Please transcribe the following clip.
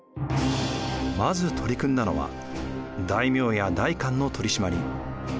まず取り組んだのは大名や代官の取り締まり。